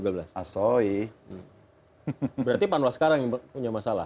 berarti panwas sekarang yang punya masalah